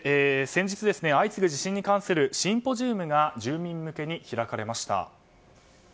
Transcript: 先日、相次ぐ地震に関するシンポジウムが住民向けに開かれました。